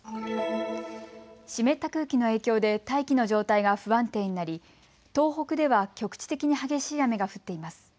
湿った空気の影響で大気の状態が不安定になり東北では局地的に激しい雨が降っています。